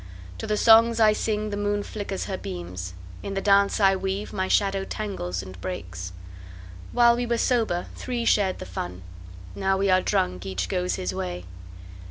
To the songs I sing the moon flickers her beams; In the dance I weave my shadow tangles and breaks. While we were sober, three shared the fun; Now we are drunk, each goes his way.